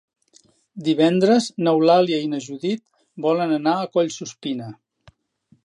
Divendres n'Eulàlia i na Judit volen anar a Collsuspina.